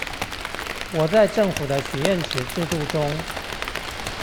我在政府的許願池制度中